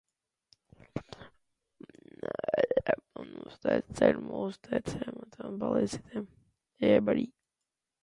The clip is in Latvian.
Un mūsu tētis ceļ, mūsu tētis remontē un palīdz citiem.